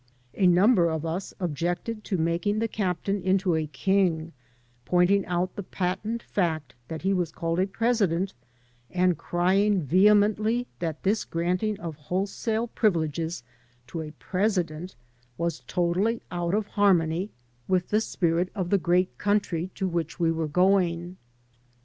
A number of us objected to making the captain into a king, pointing out the patent fact that he was called a president, and crying vehemently that this granting of wholesale privil^es to a president was totally out of harmony with the spirit of the great 96 TO AMERICA ON FOOT country to which we were going.